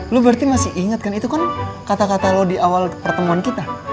lo berarti masih ingat kan itu kan kata kata lo di awal pertemuan kita